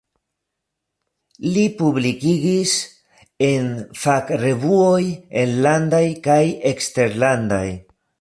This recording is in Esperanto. Li publikigis en fakrevuoj enlandaj kaj eksterlandaj.